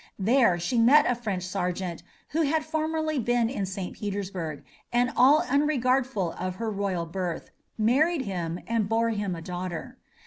There she met a French sergeant who had formerly been in St. Petersburg, and all unregardful of her royal birth, married him, and bore him a daughter.